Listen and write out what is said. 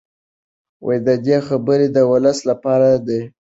د ده خبرې د ولس لپاره دي.